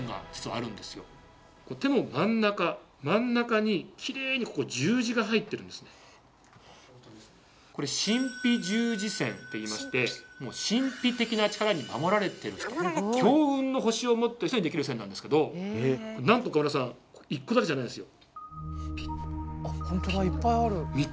手の真ん中真ん中にこれ「神秘十字線」っていいまして神秘的な力に守られてる人強運の星を持ってる人にできる線なんですけどなんと岡村さん１個だけじゃないですよ。